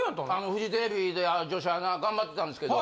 フジテレビで女子アナ頑張ってたんですけど。